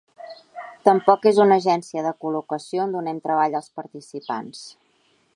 Tampoc és una agència de col·locació on donem treball als participants.